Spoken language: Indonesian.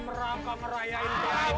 hadeh kemampuan bhajan